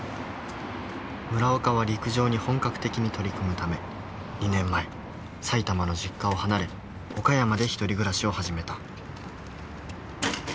村岡は陸上に本格的に取り組むため２年前埼玉の実家を離れ岡山で１人暮らしを始めた。